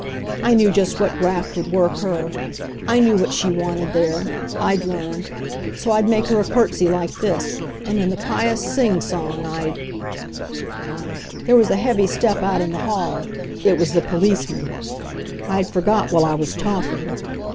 I knew just what graft would work her. I knew what she wanted there. I'd learned. So I'd make her a curtsy like this, and in the piousest sing song I'd " There was a heavy step out in the hall it was the policeman! I'd forgot while I was talking.